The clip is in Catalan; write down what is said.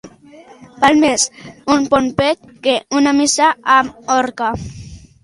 Val més un bon pet que una missa amb orgue.